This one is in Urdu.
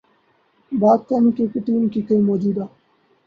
بعد قومی کرکٹ ٹیم کے کئی موجودہ